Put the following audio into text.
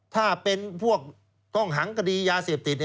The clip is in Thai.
ถ้าเป็นพวกต้องหังคดียาเสพติด